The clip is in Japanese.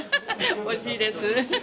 おいしいです。